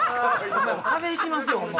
風邪ひきますよホンマ。